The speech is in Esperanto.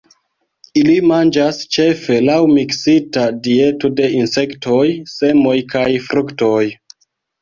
Ili manĝas ĉefe laŭ miksita dieto de insektoj, semoj kaj fruktoj.